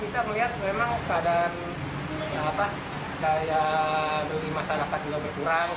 kita melihat memang keadaan daya beli masyarakat juga berkurang